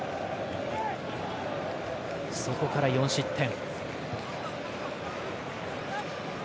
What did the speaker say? そこから４失点。